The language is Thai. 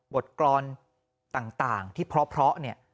กรอนต่างที่เพราะเนี่ย